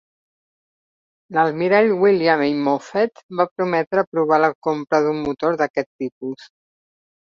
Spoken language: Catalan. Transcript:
L'almirall William A. Moffett va prometre aprovar la compra d'un motor d'aquest tipus.